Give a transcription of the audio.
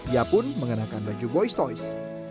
ia pun mengenakan baju boy's toys